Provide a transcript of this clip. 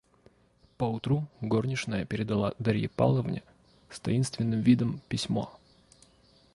Поутру горничная передала Дарье Павловне, с таинственным видом, письмо.